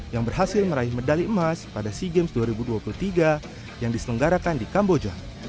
yang berhasil meraih medali emas pada sea games dua ribu dua puluh tiga yang diselenggarakan di kamboja